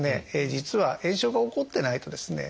実は炎症が起こってないとですね